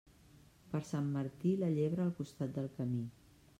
Per Sant Martí, la llebre al costat del camí.